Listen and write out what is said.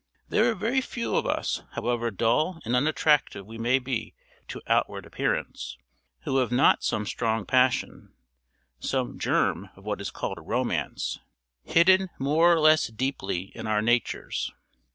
There are very few of us, however dull and unattractive we may be to outward appearance, who have not some strong passion, some germ of what is called romance, hidden more or less deeply in our natures.